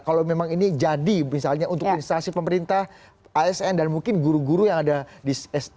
kalau memang ini jadi misalnya untuk instansi pemerintah asn dan mungkin guru guru yang ada di sd